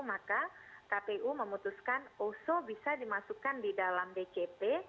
maka kpu memutuskan oso bisa dimasukkan di dalam dcp